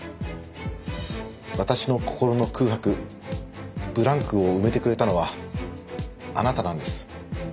私の心の空白ブランクを埋めてくれたのはあなたなんです。